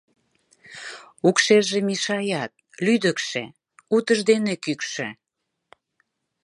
Укшерже мешаят, лӱдыкшӧ, утыждене кӱкшӧ.